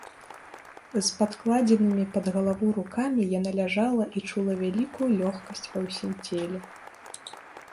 З падкладзенымі пад галаву рукамі яна ляжала і чула вялікую лёгкасць ва ўсім целе.